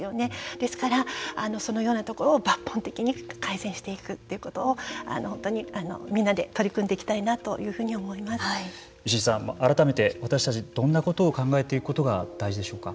ですから、そのようなところを抜本的に改善していくということを本当にみんなで取り組んでいきたいなというふう石井さん、改めて私たちはどんなことを考えていくことが大事でしょうか。